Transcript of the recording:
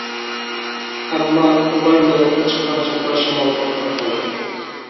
ئەمما، ئۇلار دېڭىزغا چىققان چاغدا شامال توختاپ قالدى.